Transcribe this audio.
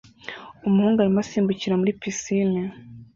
Umuhungu arimo asimbukira muri pisine